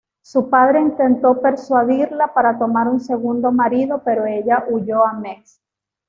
Su padre intentó persuadirla para tomar un segundo marido pero ella huyó a Metz.